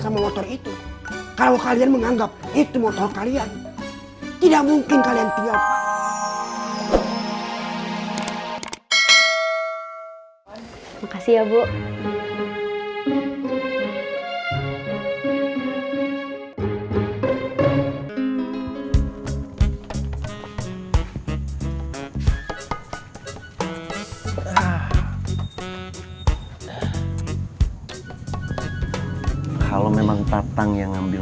kalau motor itu kalau kalian menganggap itu motor kalian tidak mungkin kalian tinggal